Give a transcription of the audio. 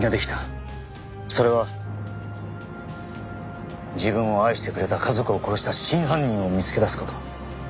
それは自分を愛してくれた家族を殺した真犯人を見つけ出す事。